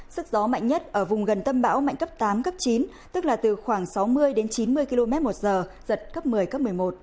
sức gió mạnh nhất ở vùng gần tâm bão mạnh cấp tám cấp chín tức là từ khoảng sáu mươi đến chín mươi km một giờ giật cấp một mươi cấp một mươi một